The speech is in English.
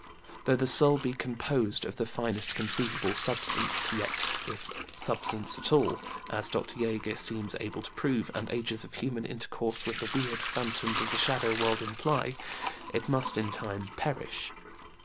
Though the soul be composed of the finest conceivable substance, yet if substance at all as Dr. JÃĪger seems able to prove, and ages of human intercourse with the weird phantoms of the shadow world imply it must in time perish.